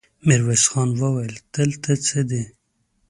ميرويس خان وويل: دلته څه دي؟